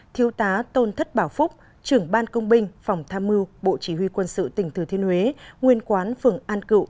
tám thiếu tá tôn thất bảo phúc trưởng ban công binh phòng tham mưu bộ chỉ huy quân sự tỉnh thừa thiên huế nguyên quán phường an cựu